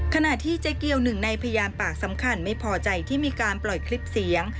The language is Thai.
ขณะที่เจ๊เกียวหนึ่งในพยานปากสำคัญไม่พอใจที่มีการปล่อยคลิปเสียง